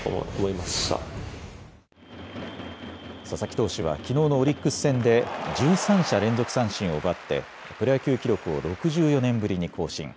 佐々木投手はきのうのオリックス戦で１３者連続三振を奪ってプロ野球記録を６４年ぶりに更新。